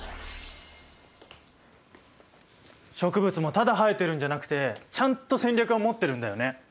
植物もただ生えてるんじゃなくてちゃんと戦略を持ってるんだよね。